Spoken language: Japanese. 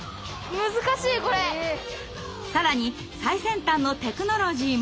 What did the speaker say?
更に最先端のテクノロジーも！